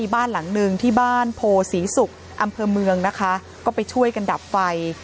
บ้านหลังหนึ่งที่บ้านโพศรีศุกร์อำเภอเมืองนะคะก็ไปช่วยกันดับไฟ